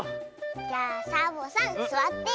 じゃあサボさんすわって。